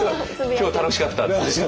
「今日楽しかった」って。